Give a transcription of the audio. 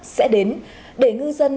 sẽ đến để ngư dân